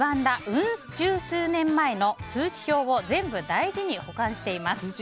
うん十年前の通知表を全部大事に保管しています。